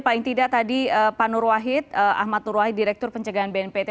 paling tidak tadi pak nur wahid ahmad nur wahid direktur pencegahan bnpt